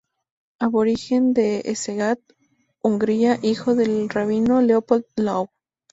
Aborigen de Szeged, Hungría, hijo del rabino Leopold Löw.